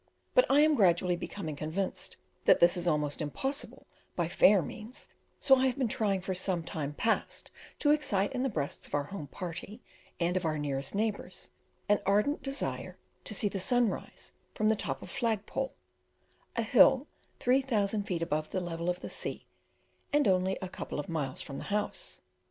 But I am gradually becoming convinced that this is almost impossible by fair means, so I have been trying for some time past to excite in the breasts of our home party and of our nearest neighbours an ardent desire to see the sun rise from the top of "Flagpole," a hill 3,000 feet above the level of the sea, and only a: couple of miles from the house.